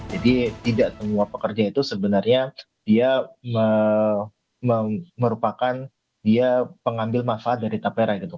jadi tidak semua pekerja itu sebenarnya dia merupakan dia pengambil manfaat dari tapera gitu